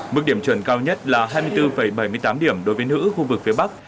mức điểm chuẩn cao nhất là hai mươi bốn bảy mươi tám điểm đối với nữ khu vực phía bắc